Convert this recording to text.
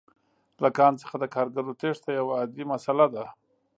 له کان څخه د کارګرو تېښته یوه عادي مسئله ده